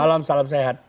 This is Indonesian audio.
selamat malam salam sehat